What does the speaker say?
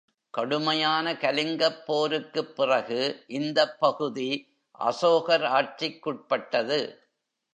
கடுமையான கலிங்கப் போருக்குப் பிறகு, இந்தப் பகுதி அசோகர் ஆட்சிக்குட்பட்டது.